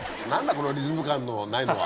このリズム感のないのは。